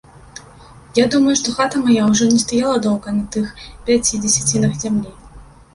Я думаю, што хата мая ўжо не стаяла доўга на тых пяці дзесяцінах зямлі.